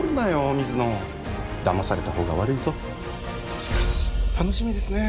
水野だまされたほうが悪いぞしかし楽しみですねえ